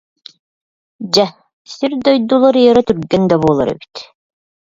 Дьэ, сир- дойду уларыйара түргэн да буолар эбит